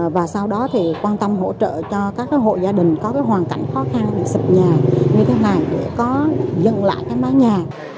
và sau đó quan tâm hỗ trợ cho các hội gia đình có hoàn cảnh khó khăn sập nhà như thế này để có dân lại mái nhà